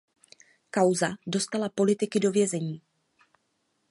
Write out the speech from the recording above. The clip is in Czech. Kauza dostala politiky do vězení.